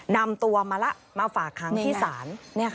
นำตัวมาแล้วมาฝากค้างที่ศาล